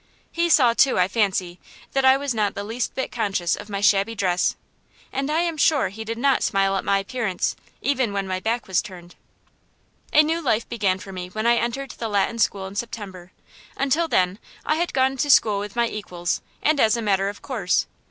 He saw, too, I fancy, that I was not the least bit conscious of my shabby dress; and I am sure he did not smile at my appearance, even when my back was turned. A new life began for me when I entered the Latin School in September. Until then I had gone to school with my equals, and as a matter of course.